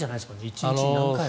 １日にに何回も。